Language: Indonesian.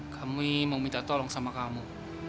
kami mau minta tolong sama kamu